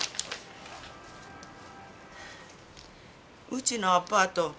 うちのアパート